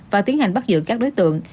và tiến hành bắt giữ các đối tượng